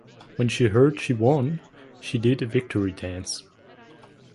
When she heard she won, she did a victory dance.